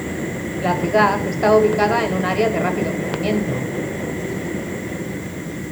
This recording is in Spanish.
La ciudad está ubicada en un área de rápido crecimiento.